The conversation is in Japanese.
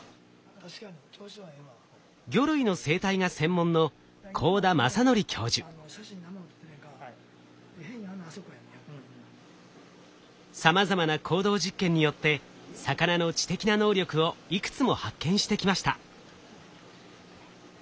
魚類の生態が専門のさまざまな行動実験によって魚の知的な能力をいくつも発見してきました。